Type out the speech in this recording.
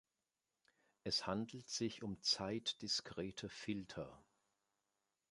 Es handelt sich um zeitdiskrete Filter.